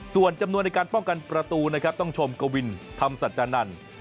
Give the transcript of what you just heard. ส่วนจำนวนในการป้องกันประตูนะครับต้องชมกวินธรรมสัจจานันทร์